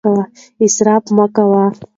اسراف مه کوئ.